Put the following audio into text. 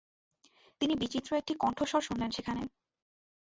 তিনি বিচিত্র একটি কণ্ঠস্বর শুনলেন সেখানে।